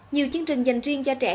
nhiều chương trình dành riêng cho trẻ